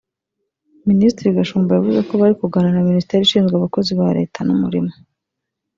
Minisiti Gashumba yavuze ko bari kuganira na Minisiteri ishinzwe abakozi ba Leta n’umurimo